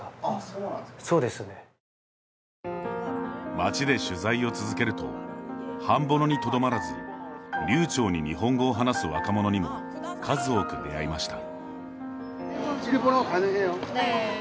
街で取材を続けるとハンボノにとどまらず流ちょうに日本語を話す若者にも数多く出会いました。